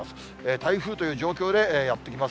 台風という状況でやって来ます。